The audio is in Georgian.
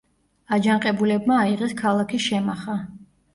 აჯანყებულებმა აიღეს ქალაქი შემახა.